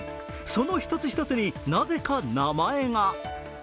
その１つ１つに、なぜか名前が。